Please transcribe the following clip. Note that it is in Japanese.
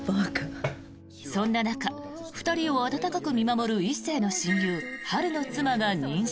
そんな中、２人を温かく見守る一星の親友・春の妻が妊娠。